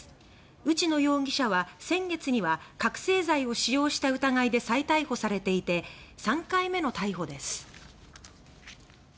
内野容疑者は先月には覚醒剤を使用した疑いで再逮捕されていて３回目の逮捕です。